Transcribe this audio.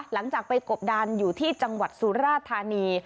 หลังจากไปกบดันอยู่ที่จังหวัดสุราธานี